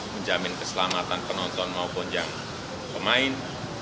menjamin keselamatan penonton maupun yang pemain